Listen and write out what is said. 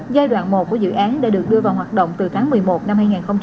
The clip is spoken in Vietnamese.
giai đoạn một của dự án đã được đưa vào hoạt động từ tháng một mươi một năm hai nghìn hai mươi